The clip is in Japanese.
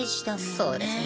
そうですね。